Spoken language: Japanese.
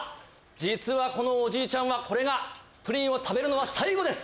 実はこのおじいちゃんはこれがプリンを食べるのは最後です。